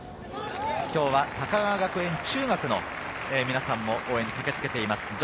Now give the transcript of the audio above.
今日は高川学園中学のみなさんも応援に駆けつけています。